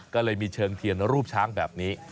ก็เลยมีเชิงเทียนรูปช้างแบบนี้